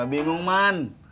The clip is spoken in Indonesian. gak usah bingung man